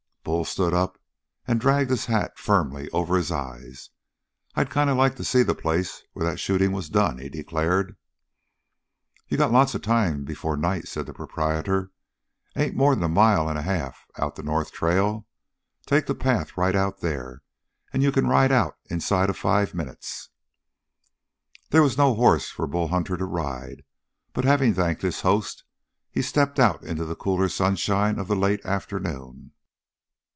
Bull stood up and dragged his hat firmly over his eyes. "I'd kind of like to see the place where that shooting was done," he declared. "You got lots of time before night," said the proprietor. "Ain't more'n a mile and a half out the north trail. Take that path right out there, and you can ride out inside of five minutes." There was no horse for Bull Hunter to ride. But, having thanked his host, he stepped out into the cooler sunshine of the late afternoon.